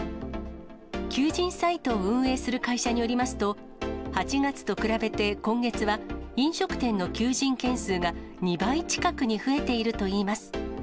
求人サイトを運営する会社によりますと、８月と比べて今月は、飲食店の求人件数が２倍近くに増えているといいます。